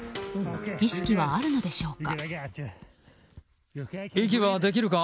意識はあるのでしょうか。